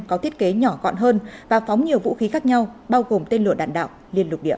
có thiết kế nhỏ gọn hơn và phóng nhiều vũ khí khác nhau bao gồm tên lửa đạn đạo liên lục địa